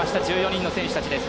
１４人の選手たちです。